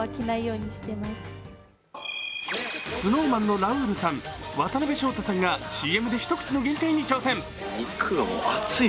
ＳｎｏｗＭａｎのラウールさん、渡辺翔太さんがＣＭで一口の限界に挑戦。